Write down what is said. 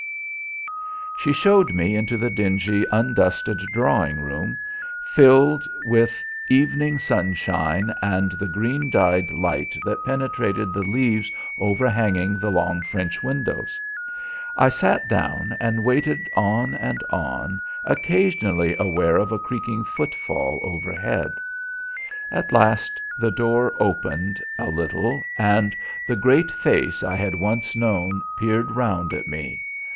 She showed me into the dingy undusted drawing room, filled with evening sunshine and the green dyed light that penetrated the leaves overhanging the long French windows. I sat down and waited on and on, occasionally aware of a creaking footfall overhead. At last the door opened a little, and the great face I had once known peered round at me.